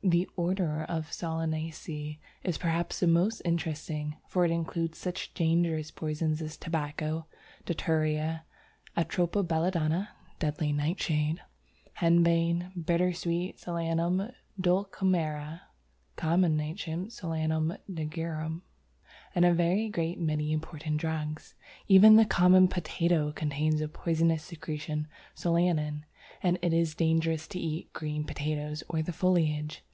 The order Solanaceæ is perhaps the most interesting, for it includes such dangerous poisons as Tobacco, Datura, Atropa belladonna (Deadly Nightshade), Henbane, Bittersweet (Solanum dulcamara), Common Nightshade (Solanum nigrum), and a very great many important drugs. Even the common potato contains a poisonous secretion solanin, and it is dangerous to eat green potatoes or the foliage.